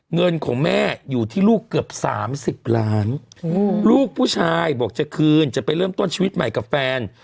เงินของแม่อยู่ที่ลูกเกือบ๓๐ล้านลูกผู้ชายบอกจะคืนจะไปเริ่มต้นชีวิตใหม่กับแฟน